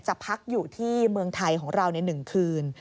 พักอยู่ที่เมืองไทยของเราใน๑คืน